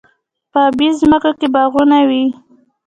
په ابی ځمکو کې باغونه وي.